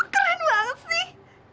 keren banget sih